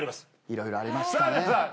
いろいろありましたねさあ